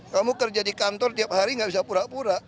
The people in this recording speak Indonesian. kamu kerja di kantor tiap hari gak bisa pura pura